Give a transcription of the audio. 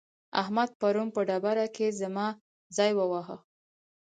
احمد پرون په ډبره کې زما ځای وواهه.